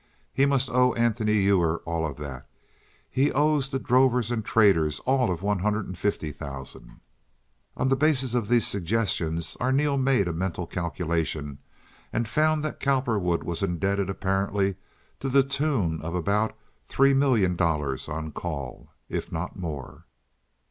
He must owe Anthony Ewer all of that. He owes the Drovers and Traders all of one hundred and fifty thousand." On the basis of these suggestions Arneel made a mental calculation, and found that Cowperwood was indebted apparently to the tune of about three million dollars on call, if not more.